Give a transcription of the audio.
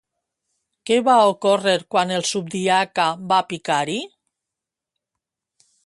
Què va ocórrer quan el subdiaca va picar-hi?